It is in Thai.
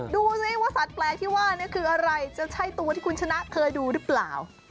ดูสิว่าสัตวแปลกที่ว่านี่คืออะไรจะใช่ตัวที่คุณชนะเคยดูหรือเปล่า